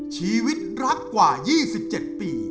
ชีวิตรักกว่า๒๗ปี